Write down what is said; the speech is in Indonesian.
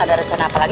ada resiko pergi